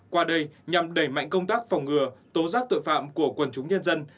qua đây nhằm đẩy mạnh công tác phòng ngừa tố giác tội phạm của quần chúng nhân dân